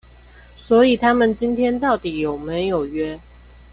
所以他們今天到底有沒有約